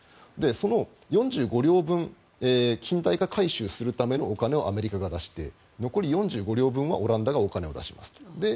その４５両分近代化改修するためのお金をアメリカが出して残り４５両分はオランダが出したんです。